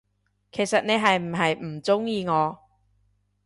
其實你係唔係唔鍾意我，？